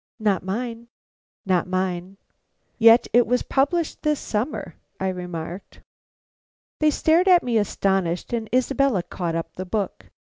"Not mine." "Not mine." "Yet it was published this summer," I remarked. They stared at me astonished, and Isabella caught up the book.